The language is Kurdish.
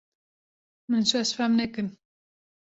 Min şaş fehm nekin